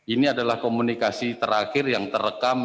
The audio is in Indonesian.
ini adalah komunikasi terakhir yang terekam